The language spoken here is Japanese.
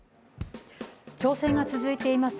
調整が続いています